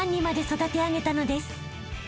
育て上げたのです］